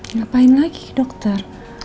ngapain lagi dokter